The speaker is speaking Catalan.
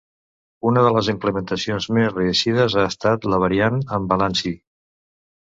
Una de les implementacions més reeixides ha estat la variant amb balancí.